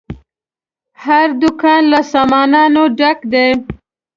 هر دوکان له سامانونو ډک دی.